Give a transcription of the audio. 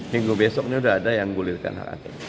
minggu besoknya udah ada yang gulirkan hak angket